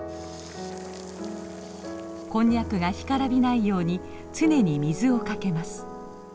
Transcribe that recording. こんにゃくが干からびないように常に水をかけます。